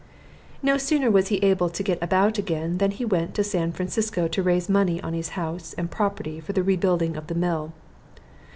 No sooner was he able to get about again than he went to San Francisco to raise money on his house and property for the rebuilding of the mill.